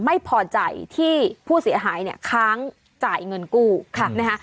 ไม่พอใจที่ผู้เสียหายเนี่ยค้างจ่ายเงินกู้ค่ะนะฮะ